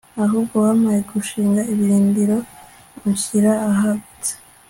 ahubwo wampaye gushinga ibirindiro, unshyira ahagutse